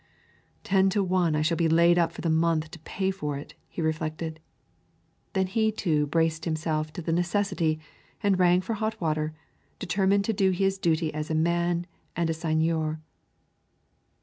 "Ten to one I shall be laid up for the next month to pay for it," he reflected. Then he too braced himself to the necessity and rang for hot water, determined to do his duty as a man and a Seigneur.